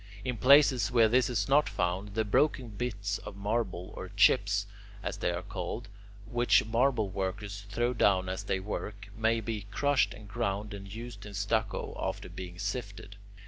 In places where this is not found, the broken bits of marble or "chips," as they are called, which marble workers throw down as they work, may be crushed and ground and used in stucco after being sifted.